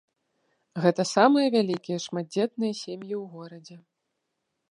Гэта самыя вялікія шматдзетныя сем'і ў горадзе.